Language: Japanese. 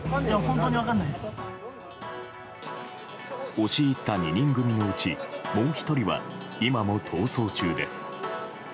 押し入った２人組のうちもう１人は今も逃走中です。